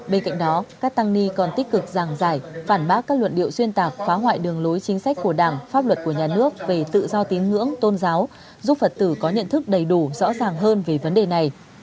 bên cạnh đó các tăng ni còn tích cực giảng giải phản bác các luận điệu xuyên tạc phá hoại đường lối chính sách của đảng pháp luật của nhà nước về tự do tín ngưỡng tôn giáo giúp phật tử có nhận thức đầy đủ rõ ràng hơn về vấn đề này